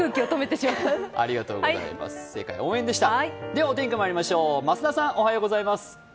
ではお天気、まいりましょう。